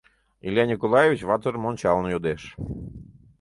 — Илья Николаевич ватыжым ончалын йодеш.